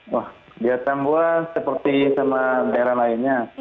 wah di atambua seperti sama daerah lainnya